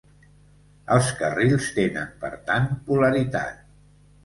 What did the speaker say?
Els carrils tenen, per tant, polaritat.